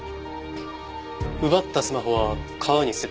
奪ったスマホは川に捨てたんですね？